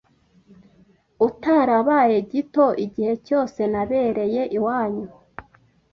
utarabaye gito igihe cyose nabereye iwanyu